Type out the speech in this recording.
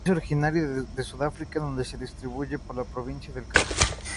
Es originaria de Sudáfrica donde se distribuye por la Provincia del Cabo.